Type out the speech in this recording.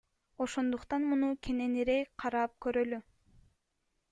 Ошондуктан муну кененирээк карап көрөлү.